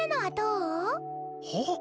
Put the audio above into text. はっ？